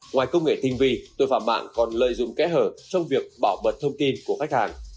ngoài công nghệ tinh vi tội phạm mạng còn lợi dụng kẽ hở trong việc bảo mật thông tin của khách hàng